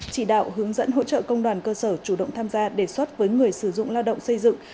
chỉ đạo hướng dẫn hỗ trợ công đoàn cơ sở chủ động tham gia đề xuất với người sử dụng lao động xây dựng